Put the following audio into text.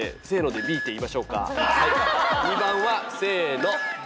２番はせーの。